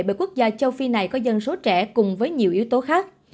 bởi quốc gia châu phi này có dân số trẻ cùng với nhiều yếu tố khác